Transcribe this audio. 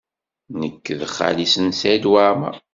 Nekk d xali-s n Saɛid Waɛmaṛ.